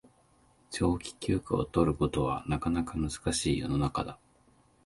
長期休暇を取ることはなかなか難しい世の中だ